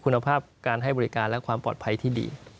คุณภาพการให้บริการและความปลอดภัยที่ดี